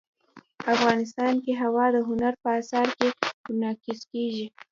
افغانستان کې هوا د هنر په اثار کې منعکس کېږي.